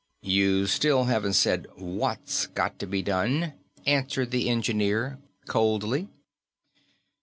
"You still haven't said what's got to be done," answered the engineer coldly.